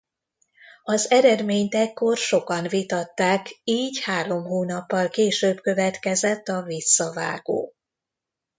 Az eredményt ekkor sokan vitatták így három hónappal később következett a visszavágó.